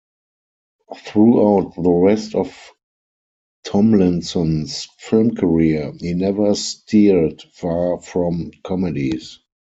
Throughout the rest of Tomlinson's film career, he never steered far from comedies.